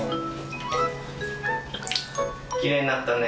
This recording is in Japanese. きれいになったね。